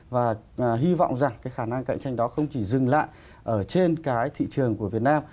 và hy vọng rằng cái khả năng cạnh tranh đó không chỉ dừng lại ở trên cái thị trường của việt nam